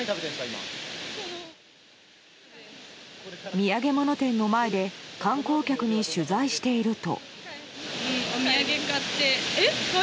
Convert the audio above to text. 土産物店の前で観光客に取材していると。